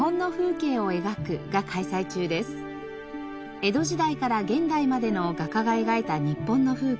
江戸時代から現代までの画家が描いた日本の風景